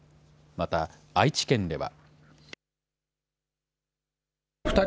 また、愛知県では。